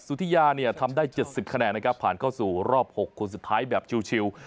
สุธิยาเนี่ยทำได้๗๐คะแนนนะครับผ่านเข้าสู่รอบ๖คนสุดท้ายแบบชิล